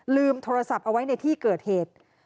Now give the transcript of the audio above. โทรศัพท์เอาไว้ในที่เกิดเหตุ